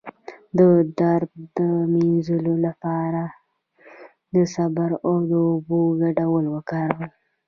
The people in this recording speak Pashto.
د درد د مینځلو لپاره د صبر او اوبو ګډول وکاروئ